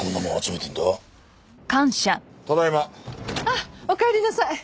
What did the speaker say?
あっおかえりなさい。